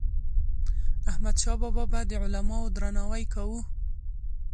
احمدشاه بابا به د علماوو درناوی کاوه.